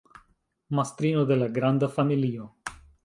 Mastrino de la granda familio.